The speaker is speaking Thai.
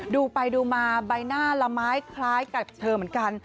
ดูไปดูมาใบหน้าละไม้คล้ายกับเธอเหมือนกัน